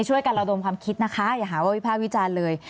ช่วยกันระดมความคิดนะคะอย่าหาว่าวิภาควิจารณ์เลย